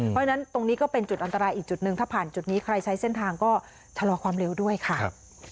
เพราะฉะนั้นตรงนี้ก็เป็นจุดอันตรายอีกจุดหนึ่งถ้าผ่านจุดนี้ใครใช้เส้นทางก็ชะลอความเร็วด้วยค่ะ